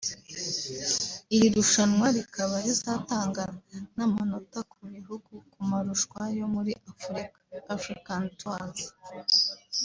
Iri rushanwa rikaba rizatanga n’amanota ku bihugu ku marushwa yo muri Afurika (African Tours)